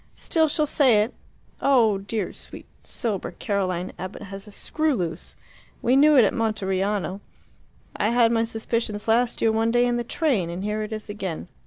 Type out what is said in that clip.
Still she'll say it. Oh, dear, sweet, sober Caroline Abbott has a screw loose! We knew it at Monteriano. I had my suspicions last year one day in the train; and here it is again.